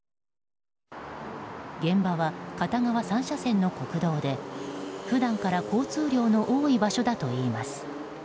現場は片側３車線の国道で普段から交通量の多い場所だといいます。